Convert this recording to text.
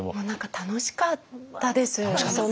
何か楽しかったです。